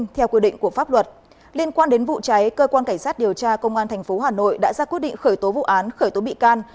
khoan đến vụ cháy cơ quan cảnh sát điều tra công an tp hà nội đã ra quyết định khởi tố vụ án khởi tố bị can